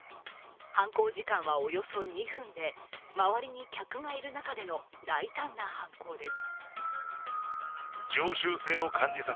犯行時間はおよそ２分で周りに客がいる中での大胆な犯行です。